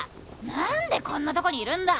何でこんなとこにいるんだ！